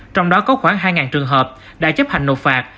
trong đó có khoảng hai trường hợp đã chấp hành nộp phạt